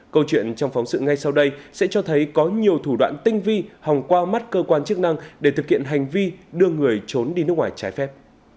câu chuyện trong phóng sự ngay sau đây sẽ cho thấy có nhiều thủ đoạn tinh vi hòng qua mắt cơ quan chức năng để thực hiện hành vi đưa người trốn đi nước ngoài trái phép